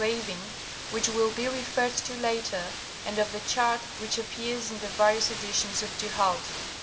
121 Campbell's engraving which will be referred to later, and of the chart which appears in the various editions of Du Halde.